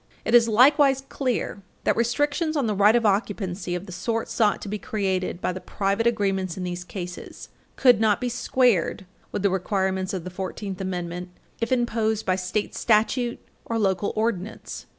It is likewise clear that restrictions on the right of occupancy of the sort sought to be created by the private agreements in these cases could not be squared with the requirements of the Fourteenth Amendment if imposed by state statute or local ordinance.